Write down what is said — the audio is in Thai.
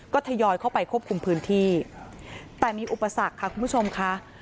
ก็ทยอยเข้าไปควบคุมพื้นที่แต่มีอุปสรรคค่ะคุณผู้ชมค่ะ